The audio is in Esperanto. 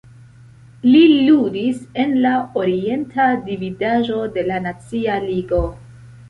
Li ludis en la Orienta Dividaĵo de la Nacia Ligo.